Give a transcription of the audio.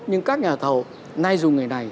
nhưng các nhà thầu nay dùng người này